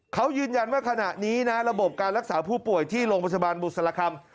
เขายืนยันว่าขณะนี้นะระบบการรักษาผู้ป่วยที่โรงพยาบาลบุษรคำ